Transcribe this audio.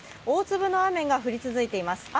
大粒の雨が降り続いています。